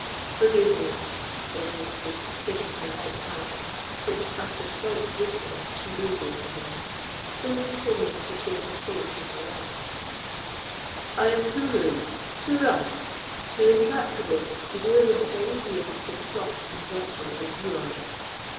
"Forgive me," said Ravenswood, taking her right hand, which, after slight resistance, she yielded to him, still continuing to shade her face with the left—"I am too rude—too rough—too intractable to deal with any being so soft and gentle as you are.